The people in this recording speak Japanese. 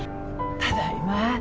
ただいま。